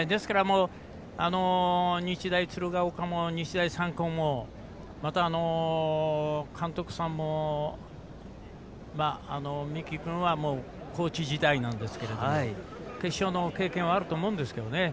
ですから日大鶴ヶ丘も日大三高もまた、監督さんも三木君はコーチ時代なんですけど決勝の経験はあると思うんですけどね。